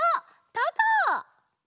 たこ！